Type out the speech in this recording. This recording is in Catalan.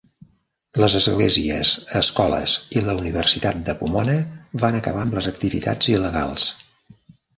Les esglésies, escoles i la Universitat de Pomona van acabar amb les activitats il·legals.